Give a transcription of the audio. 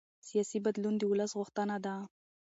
سیاسي بدلون د ولس غوښتنه ده